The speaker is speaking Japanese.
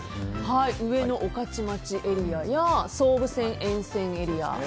上野・御徒町エリアや総武線沿線エリア。